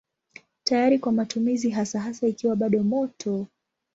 Tayari kwa matumizi hasa hasa ikiwa bado moto.